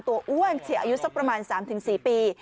อ้วนเฉียอายุสักประมาณ๓๔ปี